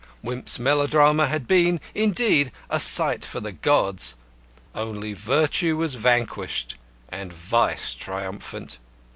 Wimp's melodrama had been, indeed, a sight for the gods. Only virtue was vanquished and vice triumphant.